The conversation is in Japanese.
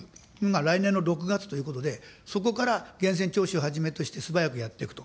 来年の６月ということで、そこから源泉徴収をはじめとして素早くやっていくと。